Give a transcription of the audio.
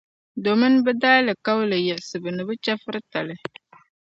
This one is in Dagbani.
Domin bɛ daalikauli yiɣisibu ni bɛ chεfuritali.